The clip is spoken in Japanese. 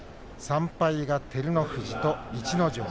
３敗が照ノ富士と逸ノ城。